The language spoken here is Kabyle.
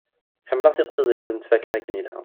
Ḥemmleɣ tiqsiḍin ur nettfaka akken ilha.